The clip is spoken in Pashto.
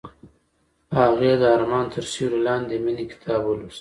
هغې د آرمان تر سیوري لاندې د مینې کتاب ولوست.